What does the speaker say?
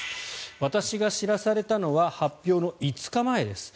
私が知らされたのは発表の５日前です。